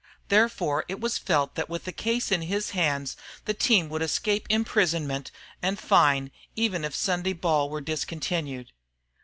Therefore it was felt that with the case in his hands the team would escape imprisonment and fine even if Sunday ball were discontinued.